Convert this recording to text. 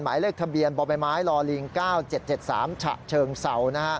หมายเลขทะเบียนบ่อใบไม้ลอลิง๙๗๗๓ฉะเชิงเศร้า